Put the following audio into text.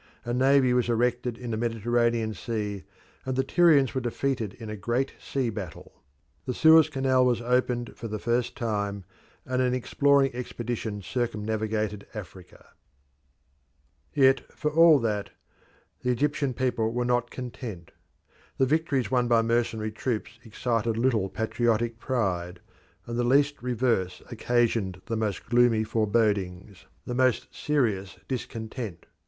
A navy was erected in the Mediterranean Sea, and the Tyrians were defeated in a great sea battle. The Suez Canal was opened for the first time, and an exploring expedition circumnavigated Africa. Yet, for all that and all that, the Egyptian people were not content. The victories won by mercenary troops excited little patriotic pride, and the least reverse occasioned the most gloomy forebodings, the most serious discontent.